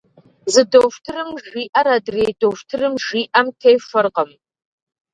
Зы дохутырым жиӏэр, адрей дохутырым жиӏэм техуэркъым.